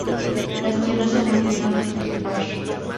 Las tierras se volvieron a cultivar.